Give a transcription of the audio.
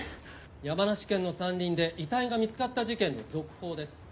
「山梨県の山林で遺体が見つかった事件の続報です」